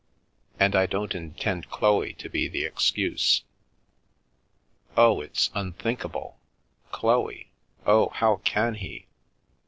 And I don't intend Chloe to be the ex cuse." "Oh, it's unthinkable! Chloe! Oh, how caii he?"